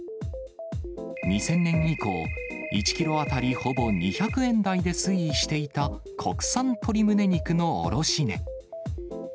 ２０００年以降、１キロ当たりほぼ２００円台で推移していた国産鶏むね肉の卸値。